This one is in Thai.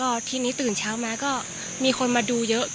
วันถึงเช้ามาคนมาดูแล้ว